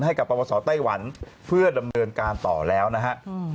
ให้กับประวศไต้หวันเพื่อดำเนินการต่อแล้วนะฮะ